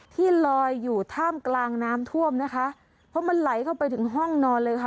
ที่ลอยอยู่ท่ามกลางน้ำท่วมนะคะเพราะมันไหลเข้าไปถึงห้องนอนเลยค่ะ